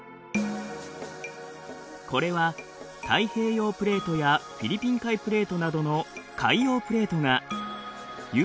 これは太平洋プレートやフィリピン海プレートなどの海洋プレートがユーラシア